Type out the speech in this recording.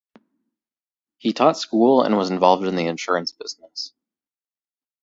He taught school and was involved in the insurance business.